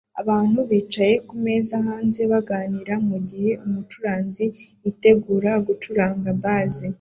Abantu bicaye kumeza hanze baganira mugihe umucuranzi yitegura gucuranga bass